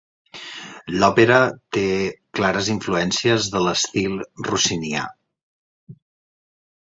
L'òpera té clares influències de l'estil rossinià.